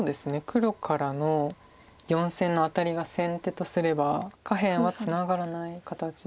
黒からの４線のアタリが先手とすれば下辺はツナがらない形です。